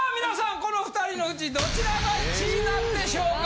この２人のうちどちらが１位になるでしょうか？